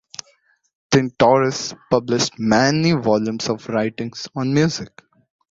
Tinctoris published many volumes of writings on music.